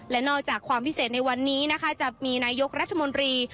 และนอกจากความพิเศษในวันนี้นะคะจะมีนายกรัฐมนตรี